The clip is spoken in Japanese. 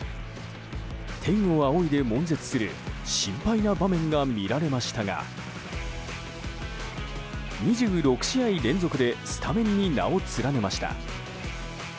天を仰いで悶絶する心配な場面が見られましたが２６試合連続でスタメンに名を連ねました。